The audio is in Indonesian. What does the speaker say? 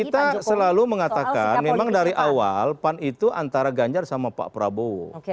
kita selalu mengatakan memang dari awal pan itu antara ganjar sama pak prabowo